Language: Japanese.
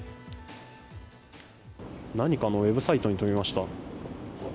何かのウェブサイトに飛びました。